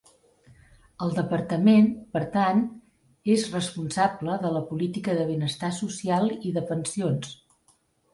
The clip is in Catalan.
El Departament, per tant, és responsable de la política de benestar social i de pensions.